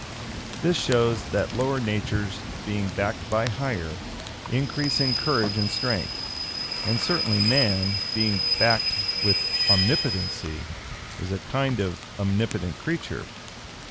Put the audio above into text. This shows, that lower natures, being backed by higher, increase in courage and strength; and certainly man, being backed with Omnipotency, is a kind of omnipotent creature.